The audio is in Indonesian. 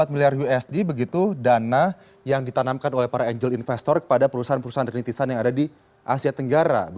empat miliar usd begitu dana yang ditanamkan oleh para angel investor kepada perusahaan perusahaan rintisan yang ada di asia tenggara